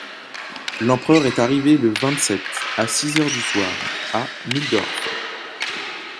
L'empereur est arrivé le vingt-sept, à six heures du soir, à Mulhdorf.